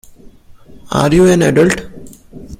Are you an adult?